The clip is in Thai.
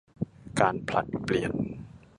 การผลัดเปลี่ยน